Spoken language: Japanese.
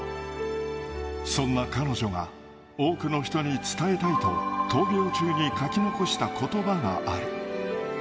そんな彼女が、多くの人に伝えたいと、闘病中に書き残したことばがある。